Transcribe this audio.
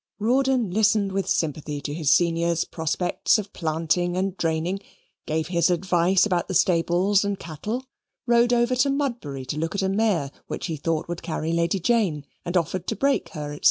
Rawdon listened with sympathy to his senior's prospects of planting and draining, gave his advice about the stables and cattle, rode over to Mudbury to look at a mare, which he thought would carry Lady Jane, and offered to break her, &c.